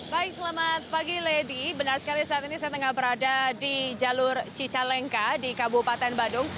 baik selamat pagi lady benar sekali saat ini saya tengah berada di jalur cicalengka di kabupaten badung